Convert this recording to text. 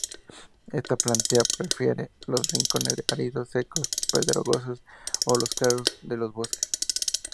Esta planta prefiere los rincones áridos, secos, pedregosos o los claros de los bosques.